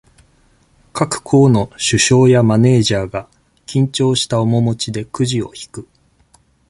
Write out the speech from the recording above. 各校の、主将や、マネージャーが、緊張した面持ちで、クジを引く。